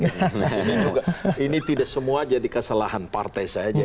nah ini juga ini tidak semua jadi kesalahan partai saja